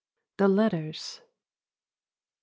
THE LETTERS. 1.